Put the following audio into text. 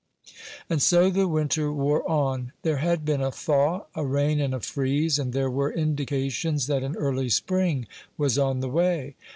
And so the winter wore on. There had been a thaw, a rain and a freeze, and there were indications that an early spring was on the way.